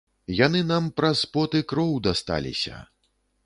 Яны нам праз пот і кроў дасталіся.